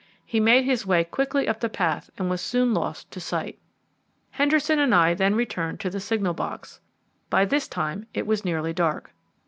He made his way quickly up the path and was soon lost to sight. Henderson and I then returned to the signal box. By this time it was nearly dark.